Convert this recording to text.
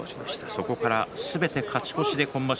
そこからすべて勝ち越して今場所